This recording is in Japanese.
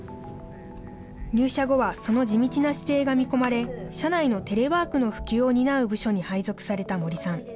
入社後はその地道な姿勢が見込まれ、社内のテレワークの普及を担う部署に配属された森さん。